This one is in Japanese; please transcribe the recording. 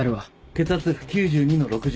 血圧９２の６０。